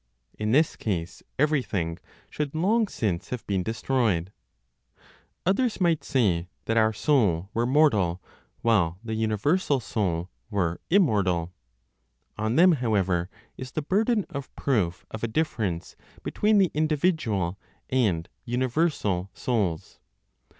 In this case, everything should long since have been destroyed. Others might say that our soul were mortal, while the universal Soul were immortal. On them, however, is the burden of proof of a difference between the individual and universal souls.